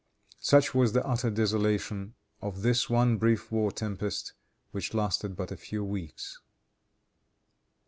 Such was the utter desolation of this one brief war tempest which lasted but a few weeks.